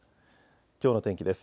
きょうの天気です。